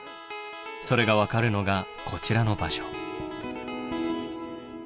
それが分かるのがこちらの場所。